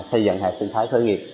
xây dựng hệ sinh thái khởi nghiệp